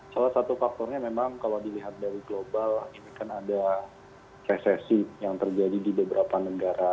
salah satu faktornya memang kalau dilihat dari global ini kan ada resesi yang terjadi di beberapa negara